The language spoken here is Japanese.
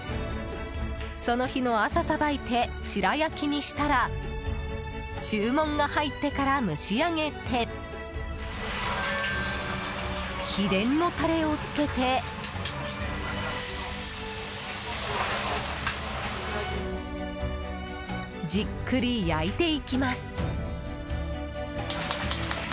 その日の朝さばいて白焼きにしたら注文が入ってから蒸し上げて秘伝のタレをつけてじっくり焼いていきます。